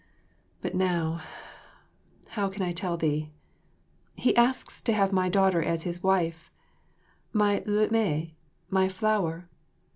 But now how can I tell thee he asks to have my daughter as his wife, my Luh meh, my flower.